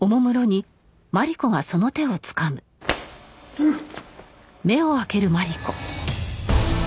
うっ！